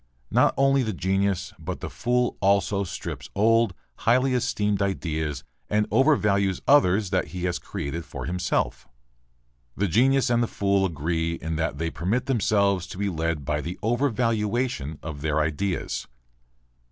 Not only the genius, but the fool also strips old, highly esteemed ideas and overvalues others that he has created for himself. The genius and the fool agree in that they permit themselves to be led by the "overvaluation" of their ideas.